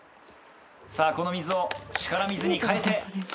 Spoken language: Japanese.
さぁこの水を力水に変えて。